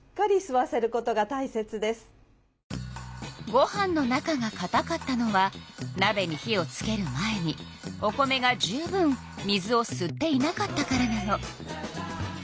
ご飯の中がかたかったのはなべに火をつける前にお米が十分水をすっていなかったからなの。